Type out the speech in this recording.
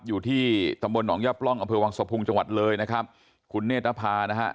อยู่ที่ตำบลหนองย่าปล่องอำเภอวังสะพุงจังหวัดเลยนะครับคุณเนธนภานะฮะ